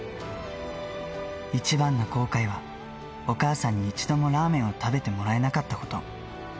一番の後悔は、お母さんに一度もラーメンを食べてもらえなかったこと。